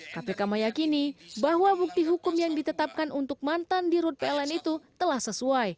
kpk meyakini bahwa bukti hukum yang ditetapkan untuk mantan di rut pln itu telah sesuai